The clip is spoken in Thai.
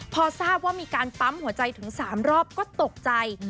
พอทราบว่ามีการปั๊มหัวใจถึง๓รอบก็ตกใจ